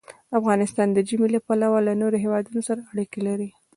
افغانستان د ژمی له پلوه له نورو هېوادونو سره اړیکې لري.